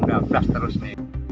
langsung berlapas terus nih